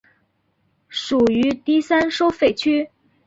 属于第三收费区。